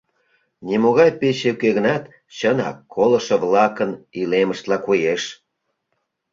Нимогай пече уке гынат, чынак колышо-влакын илемыштла коеш.